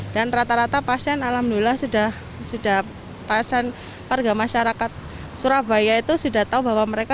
dan rata rata pasien alhamdulillah sudah pasien warga masyarakat surabaya itu sudah tahu bahwa mereka